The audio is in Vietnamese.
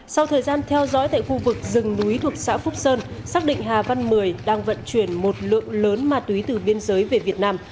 sau thời gian theo dõi tại khu vực rừng núi thuộc xã phúc sơn xác định hà văn mười đang vận chuyển một lượng lớn ma túy từ biên giới về việt nam